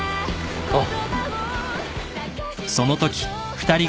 おう。